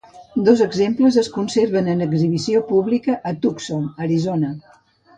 Dos exemples es conserven en exhibició pública a Tucson, Arizona.